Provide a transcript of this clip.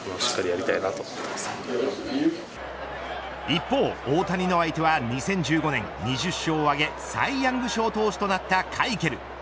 一方、大谷の相手は２０１５年２０勝を挙げサイヤング賞投手となったカイケル。